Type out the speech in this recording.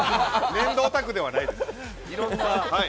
粘土オタクではない。